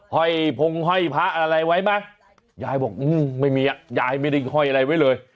ห้อยพงห้อยพระอะไรไว้ไหมยายบอกอืมไม่มีอ่ะยายไม่ได้ห้อยอะไรไว้เลย